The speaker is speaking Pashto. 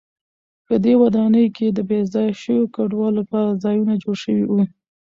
په دې ودانۍ کې د بې ځایه شویو کډوالو لپاره ځایونه جوړ شوي و.